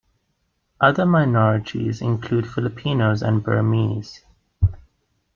Other minorities include Filipinos and Burmese.